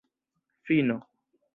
fino